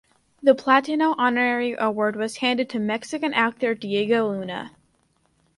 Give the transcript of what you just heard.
The Platino Honorary Award was handed to Mexican actor Diego Luna.